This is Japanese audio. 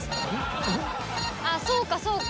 あっそうかそうか。